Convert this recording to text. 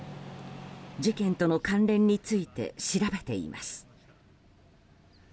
事件との関連について調べています。